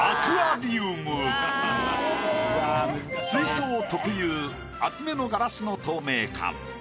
水槽特有厚めのガラスの透明感。